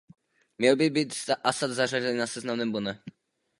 Měl by být Asad zařazen na seznam nebo ne?